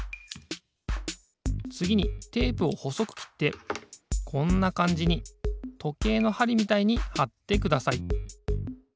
つぎにテープをほそくきってこんなかんじにとけいのはりみたいにはってください。